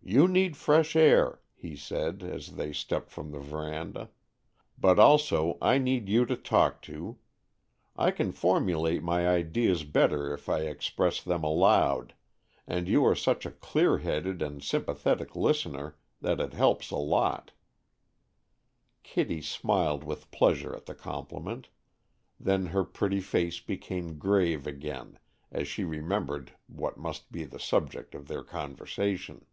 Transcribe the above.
"You need fresh air," he said, as they stepped from the veranda; "but, also, I need you to talk to. I can formulate my ideas better if I express them aloud, and you are such a clear headed and sympathetic listener that it helps a lot." Kitty smiled with pleasure at the compliment, then her pretty face became grave again as she remembered what must be the subject of their conversation.